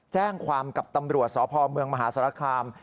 แจ้งความกับตำรวจสพมมหาศาลคาร์ม